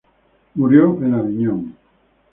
Murió en Aviñón.